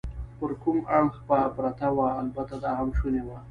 پر کوم اړخ به پرته وه؟ البته دا هم شونې وه.